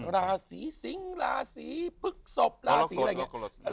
ราศีสิงราศีพฤกษบราศีอะไรอย่างนี้